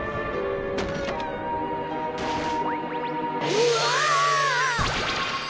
うわ！